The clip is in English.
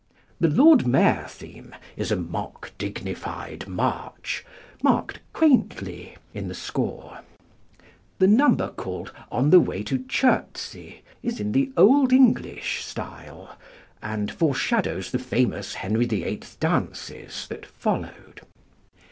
The Lord Mayor theme is a mock dignified march, marked "quaintly" in the score. The number called "On the Way to Chertsey" is in the "Old English style," and foreshadows the famous "Henry VIII. Dances" that followed.